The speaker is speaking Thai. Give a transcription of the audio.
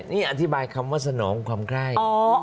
นี่อธิบายคำว่าสนองความใกล้